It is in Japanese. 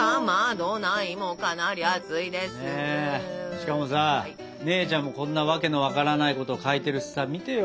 しかもさ姉ちゃんもこんな訳の分からないこと書いてるしさ見てよ。